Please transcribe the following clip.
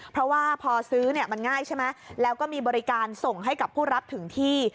เพราะว่าพอซื้อเนี่ยมันง่ายใช่ไหมแล้วก็มีบริการส่งให้กับผู้รับถึงที่